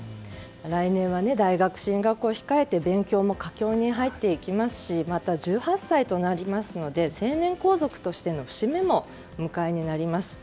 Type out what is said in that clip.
来年は大学進学を控えて勉強も佳境に入っていきますしまた、１８歳となりますので成年皇族としての節目もお迎えになります。